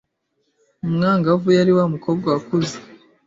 Umwangavu yari wa mukobwa wakuze